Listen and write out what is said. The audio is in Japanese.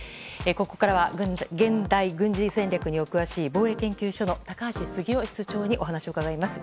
ここからは現代軍事戦略に詳しい防衛研究所の高橋杉雄室長にお話を伺います。